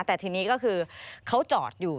แต่ทีนี้ก็คือเขาจอดอยู่